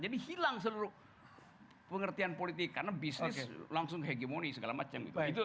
jadi hilang seluruh pengertian politik karena bisnis langsung hegemoni segala macam gitu